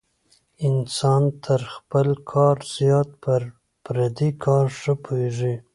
انسان تر خپل کار زیات په پردي کار ښه پوهېږي.